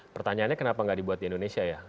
pertanyaannya kenapa nggak dibuat di indonesia ya